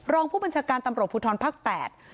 รองผู้บัญชาการตำรวจภูทรภาคแปด